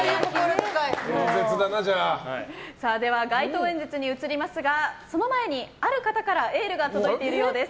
では街頭演説に移りますがその前にある方からエールが届いているようです。